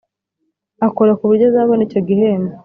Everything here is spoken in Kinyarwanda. akora ku buryo azabona icyo gihembo.